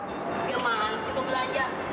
gimana sih pembelanja